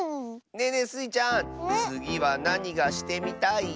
ねえねえスイちゃんつぎはなにがしてみたい？